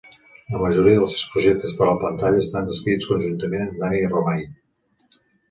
La majoria dels seus projectes per a la pantalla estan escrits conjuntament amb Dani Romain.